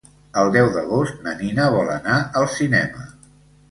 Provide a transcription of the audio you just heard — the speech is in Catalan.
El deu d'agost na Nina vol anar al cinema.